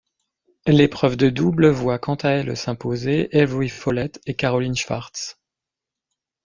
L'épreuve de double voit quant à elle s'imposer Avery Follett et Caroline Swartz.